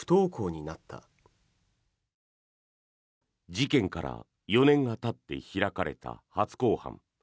事件から４年がたって開かれた初公判。